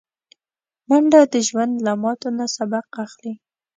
منډه د ژوند له ماتو نه سبق اخلي